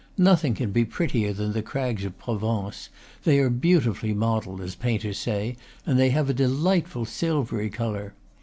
Nothing can be prettier than the crags of Provence; they are beautifully modelled, as painters say, and they have a delightful silvery color.